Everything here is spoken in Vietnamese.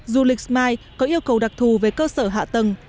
du lịch smile có yêu cầu đặc thù về cơ sở hạ tầng